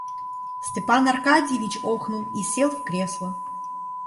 Степан Аркадьич охнул и сел в кресло.